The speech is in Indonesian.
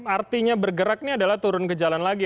artinya bergerak ini adalah turun ke jalan lagi